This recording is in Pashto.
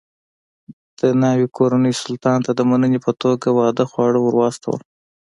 د ناوې کورنۍ سلطان ته د مننې په توګه واده خواړه ور واستول.